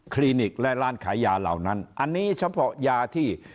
ลินิกและร้านขายยาเหล่านั้นอันนี้เฉพาะยาที่